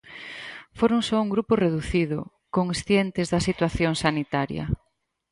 Foron só un grupo reducido, "conscientes da situación sanitaria".